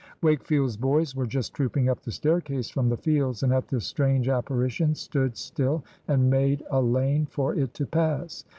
Wakefield's boys were just trooping up the staircase from the fields, and at this strange apparition stood still and made a lane for it to pass.